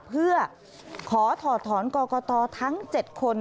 เพื่อขอถอดถอนกรกตทั้ง๗คน